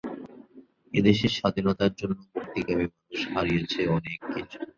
এ দেশের স্বাধীনতার জন্য মুক্তিকামী মানুষ হারিয়েছে অনেক কিছু।